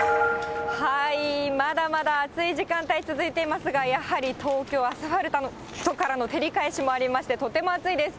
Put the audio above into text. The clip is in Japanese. まだまだ暑い時間帯続いていますが、やはり東京はアスファルトからの照り返しもありまして、とても暑いです。